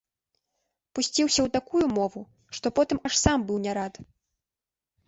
Пусціўся ў такую мову, што потым аж сам быў не рад.